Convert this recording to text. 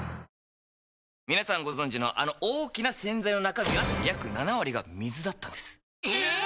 皆さんご存知のあの大きな洗剤の中身は約７割が水だったんですええっ！